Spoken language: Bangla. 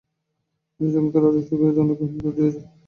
কিন্তু যখন খেলাটা শুরু করি অনেকেই হুমকি দিয়েছে, বাজে কথা বলেছে।